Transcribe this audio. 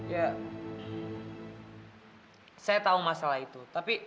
ya saya tahu masalah itu